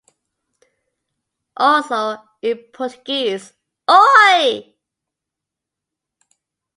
Also, in Portuguese, oi!